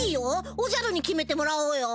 おじゃるに決めてもらおうよ。